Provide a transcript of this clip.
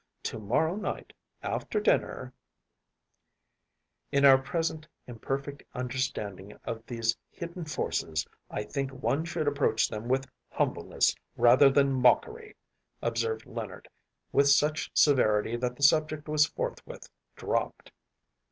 To morrow night, after dinner‚ÄĒ‚ÄĚ “In our present imperfect understanding of these hidden forces I think one should approach them with humbleness rather than mockery,‚ÄĚ observed Leonard, with such severity that the subject was forthwith dropped.